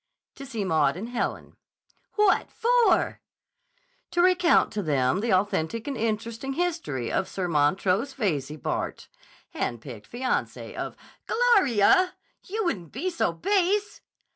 "To see Maud and Helen." "What for?" "To recount to them the authentic and interesting history of Sir Montrose Veyze, Bart., hand picked fiancé, of—" "Gloria! You wouldn't be so _base!